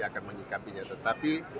akan menyikapinya tetapi